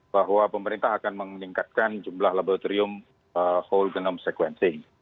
bahwa pemerintah akan meningkatkan jumlah laboratorium whole genome sequencing